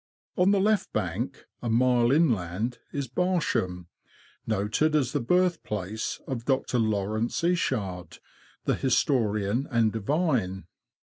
On the left bank, a mile inland, is Barsham, noted as the birthplace of Dr. Laurence Eachard, the his torian and divine.